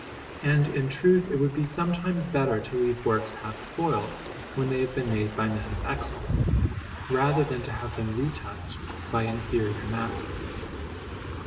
And, in truth, it would be sometimes better to leave works half spoilt, when they have been made by men of excellence, rather than to have them retouched by inferior masters.